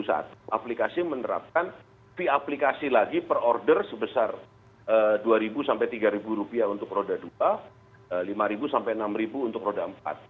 aplikasi menerapkan v aplikasi lagi per order sebesar dua ribu tiga ribu rupiah untuk roda dua lima ribu enam ribu untuk roda empat